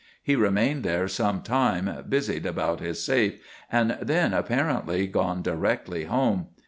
He remained there some time, busied about his safe, and had then apparently gone directly home.